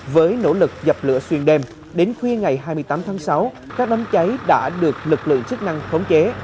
với nỗ lực dập lửa xuyên đêm đến khuya ngày hai mươi tám tháng sáu các đám cháy đã được lực lượng chức năng khống chế